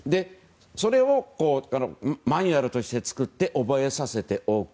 それをマニュアルとして作って覚えさせておく。